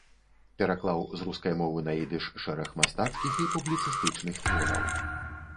Пераклаў з рускай мовы на ідыш шэраг мастацкіх і публіцыстычных твораў.